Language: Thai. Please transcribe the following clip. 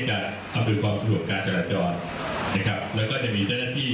อำนวยความสะดวกการจราจรนะครับแล้วก็จะมีเจ้าหน้าที่